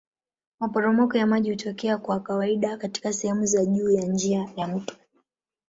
Maporomoko ya maji hutokea kwa kawaida katika sehemu za juu ya njia ya mto.